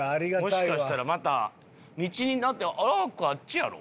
もしかしたらまた道にだってアークあっちやろ？